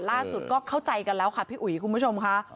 ก็เข้าใจกันแล้วค่ะพี่อุ๋ยคุณผู้ชมค่ะ